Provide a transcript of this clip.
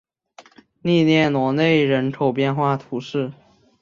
利涅罗勒人口变化图示